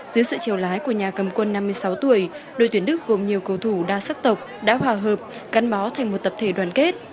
dưới sự trèo lái của nhà cầm quân năm mươi sáu tuổi đội tuyển đức gồm nhiều cầu thủ đa sắc tộc đã hòa hợp cắn bó thành một tập thể đoàn kết